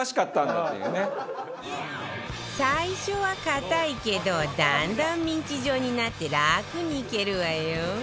最初は硬いけどだんだんミンチ状になって楽にいけるわよ